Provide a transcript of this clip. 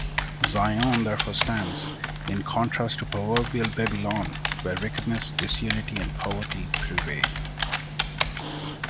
Zion therefore stands in contrast to proverbial Babylon, where wickedness, disunity, and poverty prevail.